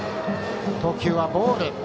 投球はボール。